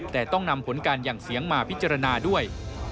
แต่ต้องนำผลการหั่งเสียงมาพิจารณาด้วย